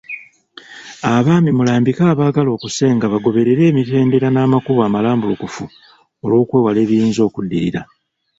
Abaami mulambike abaagala okusenga bagoberere emitendera n'amakubo amalambulukufu olwokwewala ebiyinza okuddirira.